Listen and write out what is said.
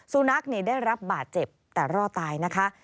ซูนักเนี่ยได้รับบาดเจ็บแต่ร่อตายนะคะ